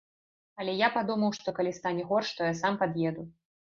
Але я падумаў, што калі стане горш, то я сам пад'еду.